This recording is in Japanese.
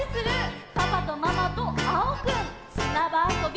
「パパとママとあおくん」「すなばあそび」